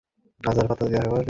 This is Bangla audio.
বন্দুকটা আমাকে ফেরত দে।